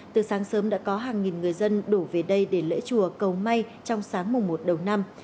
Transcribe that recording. từ sáng sớm đã có hàng nghìn người dân đổ về đây để lễ chùa cầu may trong sáng mùng một đầu năm